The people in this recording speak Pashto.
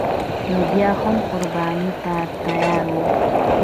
نو بیا هم قربانی ته تیار یو